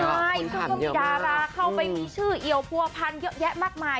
ใช่มันก็มีดาราเข้าไปมีชื่อเอี่ยวผัวพันเยอะแยะมากมาย